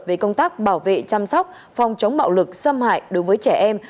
về công tác bảo vệ chăm sóc phòng chống bạo lực xâm hại đối với trẻ em